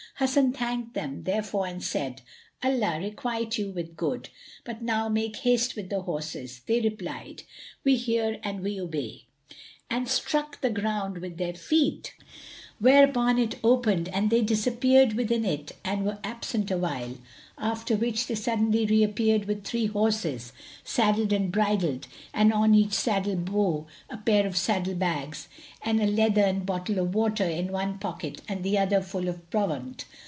Hasan thanked them therefor and said, "Allah requite you with good! but now make haste with the horses;" they replied, "We hear and we obey," and struck the ground with their feet, whereupon it opened and they disappeared within it and were absent awhile, after which they suddenly reappeared with three horses, saddled and bridled, and on each saddle bow a pair of saddle bags, with a leathern bottle of water in one pocket and the other full of provaunt.